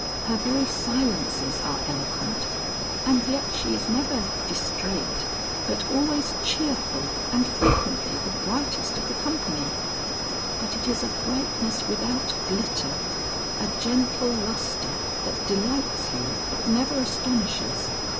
Her very silences are eloquent, and yet she is never distraite but always cheerful and frequently the brightest of the company. But it is a brightness without glitter, a gentle lustre that delights you but never astonishes.